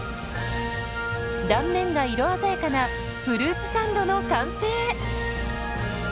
断面が色鮮やかなフルーツサンドの完成。